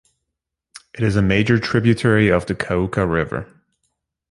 It is a major tributary of the Cauca River.